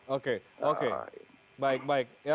oke oke baik baik